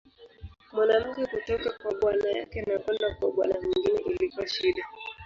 Mwanamke kutoka kwa bwana yake na kwenda kwa bwana mwingine ilikuwa shida.